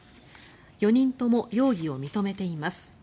４人とも容疑を認めています。